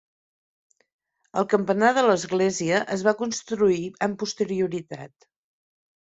El campanar de l'església es va construir amb posterioritat.